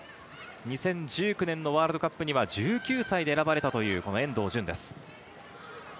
２０１９年のワールドカップには１９歳で選ばれた遠藤純です。